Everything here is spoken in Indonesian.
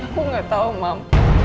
aku gak tau mam